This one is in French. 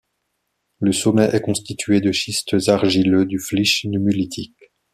Le sommet est constitué de schistes argileux du flysch nummulitique.